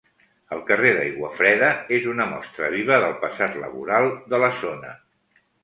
El carrer d'Aiguafreda és una mostra viva del passat laboral de la zona.